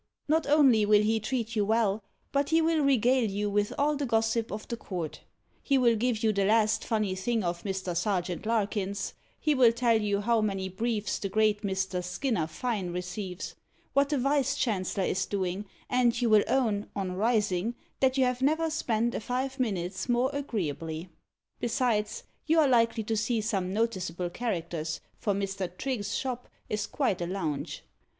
Not only will he treat you well, but he will regale you with all the gossip of the court; he will give you the last funny thing of Mr. Serjeant Larkins; he will tell you how many briefs the great Mr. Skinner Fyne receives what the Vice Chancellor is doing; and you will own, on rising, that you have never spent a five minutes more agreeably. Besides, you are likely to see some noticeable characters, for Mr. Trigge's shop is quite a lounge.